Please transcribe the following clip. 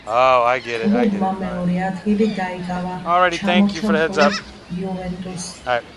კლუბმა მეორე ადგილი დაიკავა, ჩამორჩა მხოლოდ იუვენტუსს.